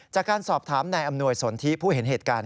จากการสอบถามนายอำนวยสนทิผู้เห็นเหตุการณ์